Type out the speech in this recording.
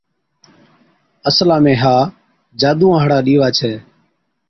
اصلا ۾ ها جادُوئا هاڙا ڏِيوا ڇَي۔